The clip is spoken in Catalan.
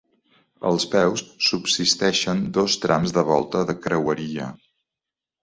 Als peus, subsisteixen dos trams de volta de creueria.